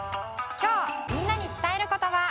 きょうみんなにつたえることば。